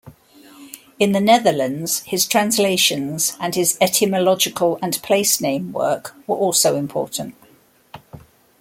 In the Netherlands his translations and his etymological and place-name work were also important.